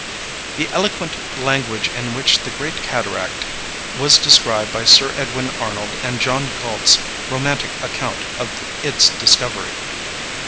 The Eloquent Language in Which the Great Cataract Was Described by Sir Edwin Arnold, and John Galt's Romantic Account of Its Discovery.